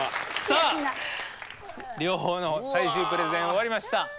さあ両方の最終プレゼン終わりました。